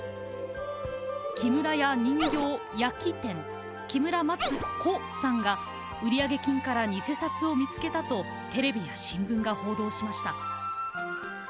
木村家人形焼き店木村マツ子さんが売上金から偽札を見つけたとテレビや新聞が報道しました。